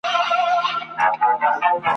پر ما ګران نورمحمدلاهو ته..